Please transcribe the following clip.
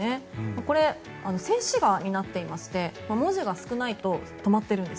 これ、静止画になっていまして文字が少ないと止まっているんです。